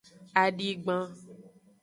Adigban.